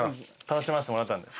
楽しませてもらったんで。